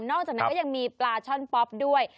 อกจากนั้นก็ยังมีปลาช่อนป๊อปด้วย